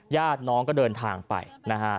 ญาติน้องก็เดินทางไปนะฮะ